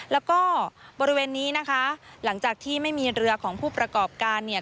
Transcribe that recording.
แล้วก็บริเวณนี้นะคะหลังจากที่ไม่มีเรือของผู้ประกอบการเนี่ย